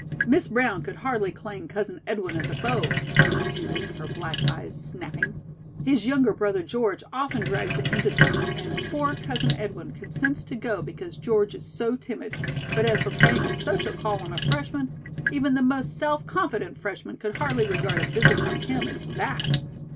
"Miss Brown could hardly claim Cousin Edwin as a beau," said Judith, her black eyes snapping. "His younger brother, George, often drags him into things, and poor Cousin Edwin consents to go because George is so timid, but as for paying a social call on a freshman, even the most self confident freshman could hardly regard a visit from him as that."